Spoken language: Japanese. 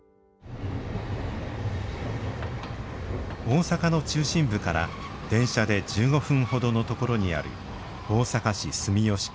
大阪の中心部から電車で１５分ほどのところにある大阪市住吉区。